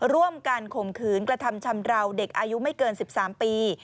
ร่วมกันข่มขืนกระทำชำราวเด็กอายุไม่เกิน๑๓ปี